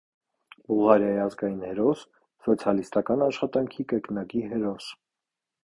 Բուլղարիայի ազգային հերոս, սոցիալիստական աշխատանքի կրկնակի հերոս։